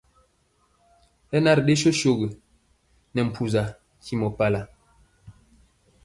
Hɛ na ri ɗe sosogi nɛ mpusa ntimɔ pala.